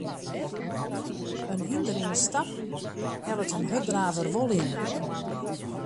In hynder yn 'e stap hellet in hurddraver wol yn.